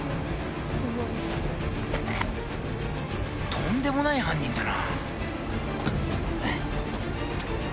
とんでもない犯人だな。